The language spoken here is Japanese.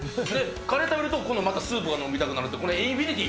カレー食べると、今度また、スープが飲みたくなるっていう、これインフィニティー。